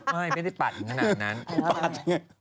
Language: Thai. ไม่ไม่ได้ปาดอย่างนั้น